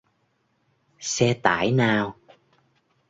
Xe tải nào